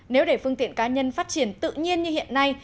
nếu để phương tiện cá nhân phát triển tự nhiên như hiện nay